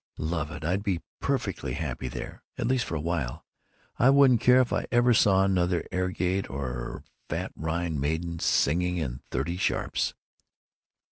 "Love it! I'd be perfectly happy there. At least for a while. I wouldn't care if I never saw another aigrette or a fat Rhine maiden singing in thirty sharps."